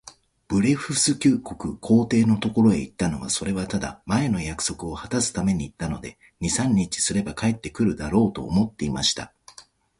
ブレフスキュ国皇帝のところへ行ったのは、それはただ、前の約束をはたすために行ったので、二三日すれば帰って来るだろう、と思っていました。